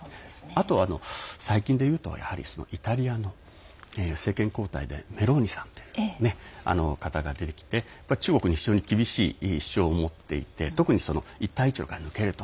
あとは最近でいうとやはりイタリアの政権交代でメローニさんという方が出てきて中国に非常に厳しい主張を持っていて一帯一路から抜けると。